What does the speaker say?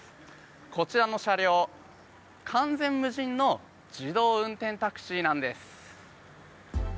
こちらの車両、完全無人の自動運転タクシーなんです。